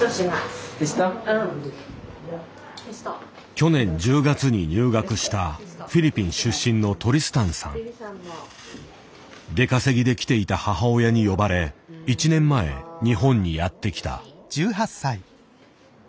去年１０月に入学した出稼ぎで来ていた母親に呼ばれ１年前日本にやってきた。